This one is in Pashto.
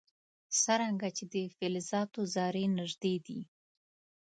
څرنګه چې د فلزاتو ذرې نژدې دي.